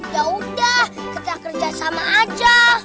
yaudah kita kerja sama aja